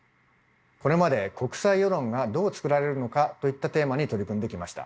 これまで国際世論がどう作られるのかといったテーマに取り組んできました。